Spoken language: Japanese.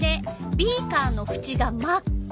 ビーカーのふちが真っ赤。